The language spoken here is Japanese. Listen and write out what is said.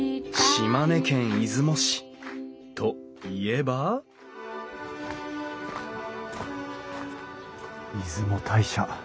島根県出雲市といえば出雲大社。